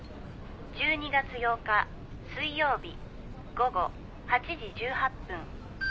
「１２月８日水曜日午後８時１８分」